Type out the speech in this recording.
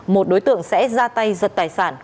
một đối tượng sẽ ra tay giật tài sản